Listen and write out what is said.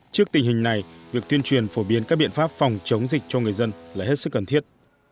trước tình hình này việc tuyên truyền phổ biến các biện pháp phòng chống dịch cho người dân là hết sức cần thiết